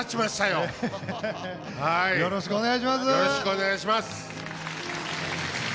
よろしくお願いします。